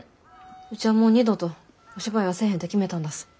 うちはもう二度とお芝居はせえへんて決めたんだす。